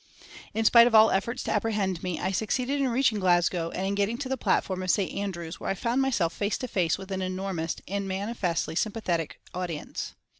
In spite of all efforts to apprehend me I succeeded in reaching Glasgow and in getting to the platform of St. Andrews' where I found myself face to face with an enormous, and manifestly sympathetic audience.